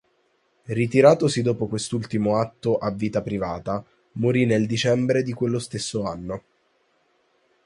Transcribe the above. Ritiratosi dopo quest'ultimo atto a vita privata, morì nel dicembre di quello stesso anno.